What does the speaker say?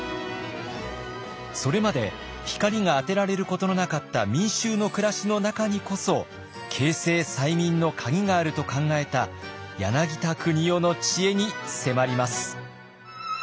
それまで光が当てられることのなかった民衆の暮らしの中にこそ経世済民のカギがあると考えた柳田国男の知恵に迫ります。